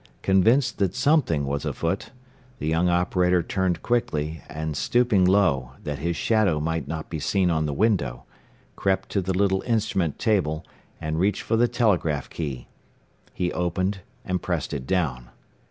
Convinced that something was afoot, the young operator turned quickly, and stooping low, that his shadow might not be seen on the window, crept to the little instrument table and reached for the telegraph key. He opened, and pressed it down.